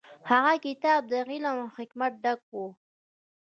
هغه کتاب د علم او حکمت ډک و.